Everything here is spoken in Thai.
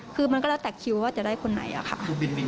คือมันก็แล้วแต่คิวว่าจะได้คนไหนอะค่ะ